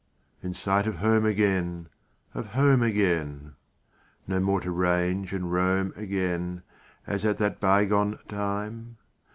In sight of home again, Of home again; No more to range and roam again As at that bygone time?